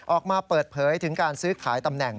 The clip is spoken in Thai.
ออกมาเปิดเผยถึงการซื้อขายตำแหน่ง